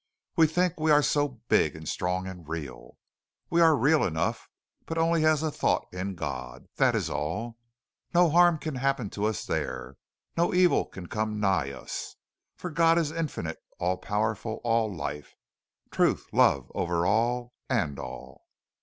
"We think we are so big and strong and real. We are real enough, but only as a thought in God that is all. No harm can happen to us there no evil can come nigh us. For God is infinite, all power, all life. Truth, Love, over all, and all."